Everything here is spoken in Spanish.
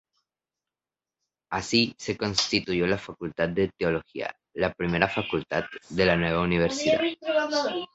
Así, se constituyó la Facultad de Teología, la primera Facultad de la nueva Universidad.